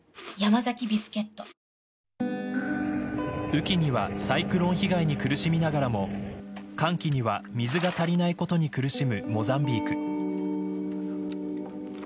雨季にはサイクロン被害に苦しみながらも乾季には水が足りないことに苦しむモザンビーク。